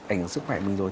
ảnh sức khỏe mình rồi